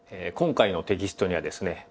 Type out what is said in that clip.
今回のテキストにはですね